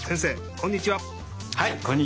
こんにちは。